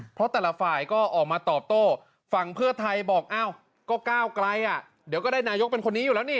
เพราะแต่ละฝ่ายก็ออกมาตอบโต้ฝั่งเพื่อไทยบอกอ้าวก็ก้าวไกลเดี๋ยวก็ได้นายกเป็นคนนี้อยู่แล้วนี่